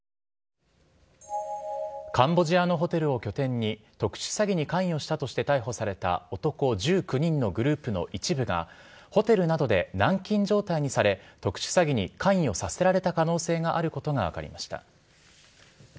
カンボジアのホテルを拠点に特殊詐欺に関与したとして逮捕された男１９人のグループの一部がホテルなどで軟禁状態にされ特殊詐欺に関与させられた可能性があることが分かりました。